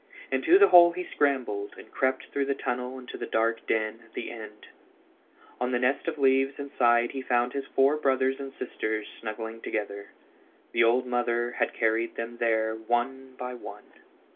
Into the hole he scrambled, and crept through the tunnel to the dark den at the end. On the nest of leaves inside he found his four brothers and sisters snuggling together. The old mother had carried them there one by one.